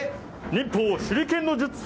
忍法手裏剣の術。